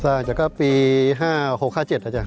สร้างจากก็ปี๕๖๗อาจารย์